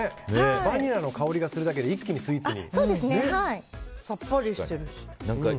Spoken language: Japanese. バニラの香りがするだけで一気にスイーツに。